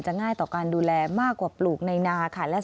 ง่ายต่อการดูแลมากกว่าปลูกในนาค่ะ